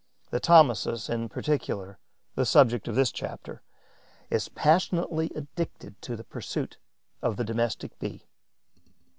The Thomisus, in particular, the subject of this chapter, is passionately addicted to the pursuit of the Domestic Bee.